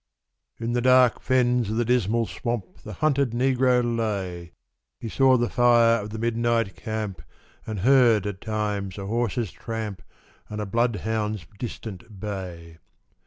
In dark fens of the Dismal Swamp The hunted Negro lay; He saw the fire of the midnight camp, And heard at times a horse's tramp And a bloodhound's distant bay.